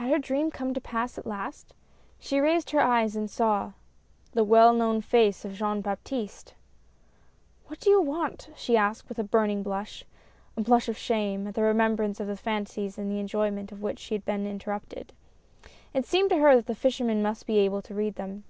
Had her dream come to pass, at last ? She raised her eyes and saw the well known face of Jean Baptiste ! "What do you want?" she asked with a burning blush — a blush of shame, at the remembrance of the fancies in the enjoyment of which she had been inter rupted ! It seemed to her that the fisherman must be able to read them.